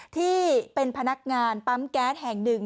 ที่เป็นพนักงานปั๊มแก๊สแห่งหนึ่ง